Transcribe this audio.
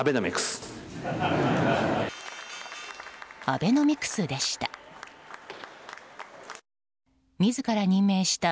アベノミクスでした。